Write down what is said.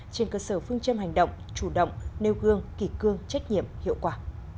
trên cơ sở phương châm hành động chủ động nêu gương kỳ cương trách nhiệm hiệu quả